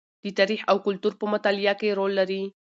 د تاریخ او کلتور په مطالعه کې رول لري.